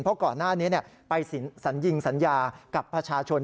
เพราะก่อนหน้านี้ไปสัญญิงสัญญากับประชาชน